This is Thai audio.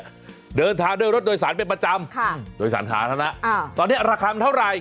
ก็เดินทางด้วยรถโดยสารเป็นประจำค่ะโดยสาธารณะอ่าตอนนี้ราคามันเท่าไหร่